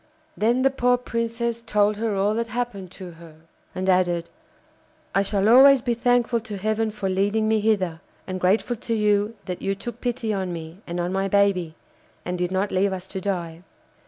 Then the poor Princess told her all that happened to her, and added 'I shall always be thankful to Heaven for leading me hither, and grateful to you that you took pity on me and on my baby, and did not leave us to die.